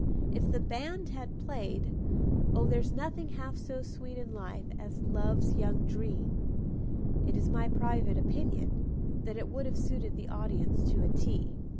If the band had played "Oh, there's nothing half so sweet in life As love's young dream " it is my private opinion that it would have suited the audience to a T.